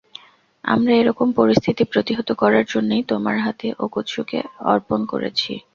আমরা এরকম পরিস্থিতি প্রতিহত করার জন্যই তোমার হাতে ওকোৎসুকে অর্পন করেছি।